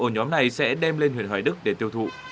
ổ nhóm này sẽ đem lên huyện hoài đức để tiêu thụ